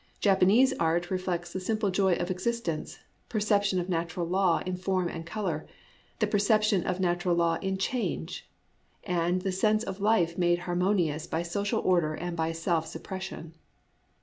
Japanese art reflects the simple joy of exist ence, the perception of natural law in form and color, the perception of natural law in change, and the sense of life made harmoni ous by social order and by self suppression.